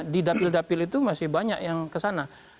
di dapil dapil itu masih banyak yang ke sana